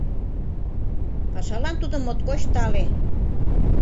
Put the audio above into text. Пашалан тудо моткоч тале.